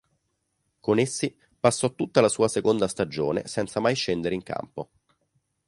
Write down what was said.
Con essi passò tutta la sua seconda stagione senza mai scendere in campo.